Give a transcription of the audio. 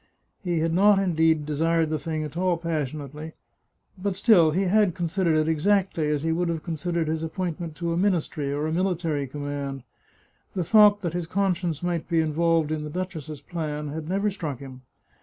He had not indeed de sired the thing at all passionately, but still he had considered it exactly as he would have considered his appointment to a ministry or a military command. The thought that his conscience might be involved in the duchess's plan had never struck him.